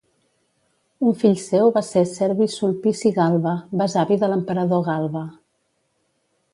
Un fill seu va ser Servi Sulpici Galba, besavi de l'emperador Galba.